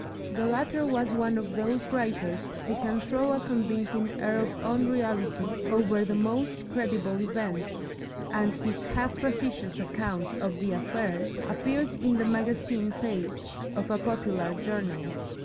The latter was one of those writers who can throw a convincing air of unreality over the most credible events, and his half facetious account of the affair appeared in the magazine page of a popular journal.